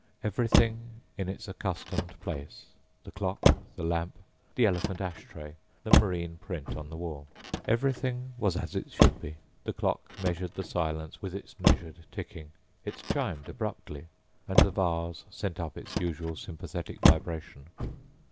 Everything in its accustomed place: the clock, the lamp, the elephant ash tray, the marine print on the wall. Everything was as it should be. The clock measured the silence with its measured ticking; it chimed abruptly and the vase sent up its usual sympathetic vibration.